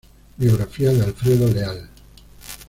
Biografía de Alfredo Leal